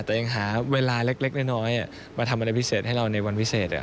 แต่ยังหาเวลาเล็กน้อยมาทำอะไรพิเศษให้เราในวันพิเศษ